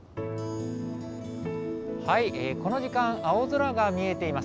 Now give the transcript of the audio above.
この時間、青空が見えています。